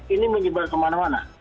ini menyebar kemana mana